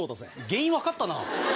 原因分かったな。